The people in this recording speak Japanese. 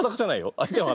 相手は裸。